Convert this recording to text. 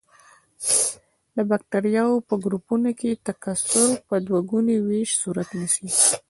د بکټریاوو په ګروپونو کې تکثر په دوه ګوني ویش صورت نیسي.